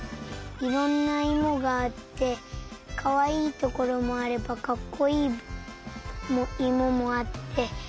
いろんないもがあってかわいいところもあればかっこいいいももあってよかったです。